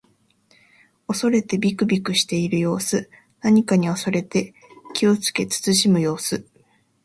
恐れてびくびくしている様子。何かに恐れて気をつけ慎む様子。